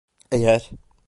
Eğer...